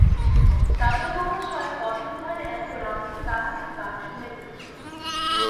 দাদামহাশয় পথের ধারে এত রাত্রে কাহাকে গান শুনাইতেছ?